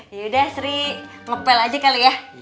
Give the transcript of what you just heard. yaudah sri ngepel aja kali ya